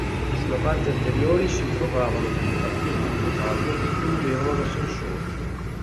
Sulla parte anteriore si trovavano delle bacchette di metallo che fungevano da "sensori".